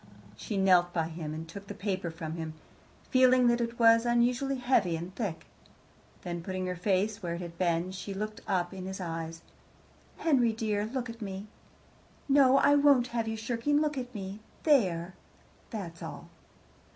She knelt by him and took the paper from him, feeling that it was unusually heavy and thick. Then, putting her face where it had been, she looked up in his eyes. "Henry dear, look at me. No, I won't have you shirking. Look at me. There. That's all."